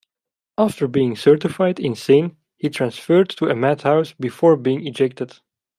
After being certified insane he is transferred to a madhouse, before being ejected.